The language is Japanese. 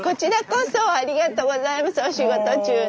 お仕事中に。